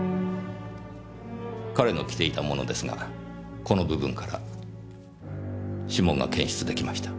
彼の着ていたものですがこの部分から指紋が検出できました。